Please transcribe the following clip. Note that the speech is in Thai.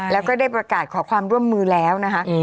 แล้วก็ได้ประกาศขอความร่วมมือแล้วนะคะ